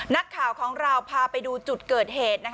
นักข่าวของเราพาไปดูจุดเกิดเหตุ